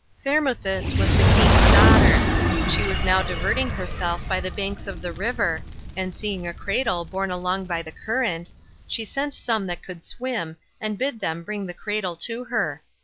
5. Thermuthis was the king's daughter. She was now diverting herself by the banks of the river; and seeing a cradle borne along by the current, she sent some that could swim, and bid them bring the cradle to her.